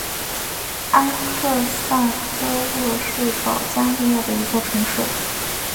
阿克萨科沃是保加利亚的一座城市。